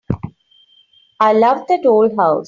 I love that old house.